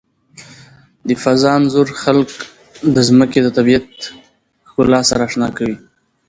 د فضا انځور خلک د ځمکې د طبیعي ښکلا سره آشنا کوي.